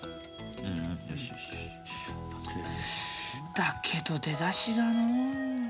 だけど出だしがのう。